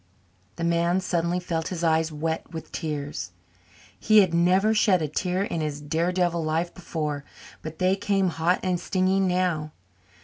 The man suddenly felt his eyes wet with tears. He had never shed a tear in his daredevil life before, but they came hot and stinging now.